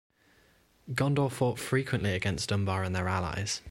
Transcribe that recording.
Gondor fought frequently against Umbar and their allies.